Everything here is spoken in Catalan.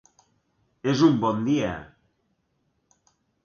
És un bon dia.